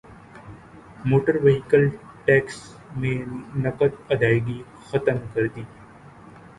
motor vehicle tax میں نقد ادائیگی ختم کردی